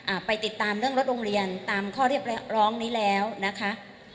ไปติดตามเรื่องรถโรงเรียนตามข้อเรียกร้องนี้แล้วนะคะ